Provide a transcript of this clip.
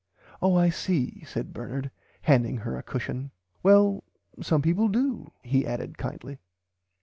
Oh I see said Bernard handing her a cushion well some people do he added kindly."